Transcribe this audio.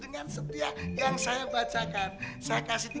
nah nih ada baca yang di sini